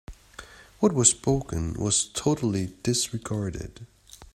What was spoken was totally disregarded.